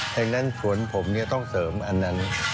เพราะฉะนั้นสวนผมเนี่ยต้องเสริมอันนั้น